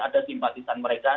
ada simpatisan mereka